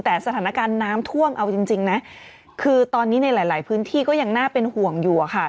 แต่สถานการณ์น้ำท่วมเอาจริงนะคือตอนนี้ในหลายพื้นที่ก็ยังน่าเป็นห่วงอยู่อะค่ะ